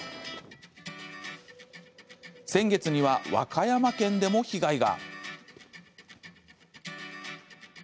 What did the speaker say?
先月には和歌山県でも被害が。